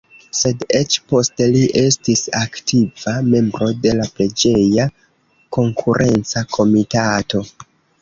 Sed eĉ poste li estis aktiva membro de la preĝeja konkurenca komitato.